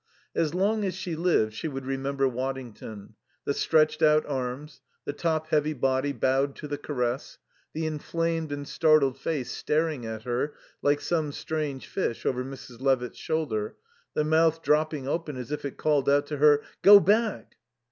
As long as she lived she would remember Waddington: the stretched out arms, the top heavy body bowed to the caress; the inflamed and startled face staring at her, like some strange fish, over Mrs. Levitt's shoulder, the mouth dropping open as if it called out to her "Go back!"